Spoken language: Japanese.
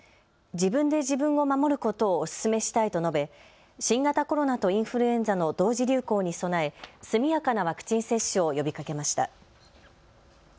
自分で自分を守ることをお勧めしたいと述べ新型コロナとインフルエンザの同時流行に備え速やかなワクチン接種を呼びかけました。